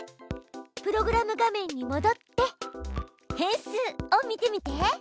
プログラム画面にもどって変数を見てみて！